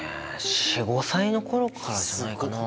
４５歳の頃からじゃないかな